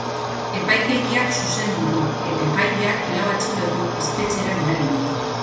Epaitegiak zuzendu du eta epaileak lau atxilotu espetxera bidali ditu.